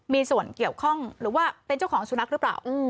มีส่วนเกี่ยวข้องหรือว่าเป็นเจ้าของสุนัขหรือเปล่า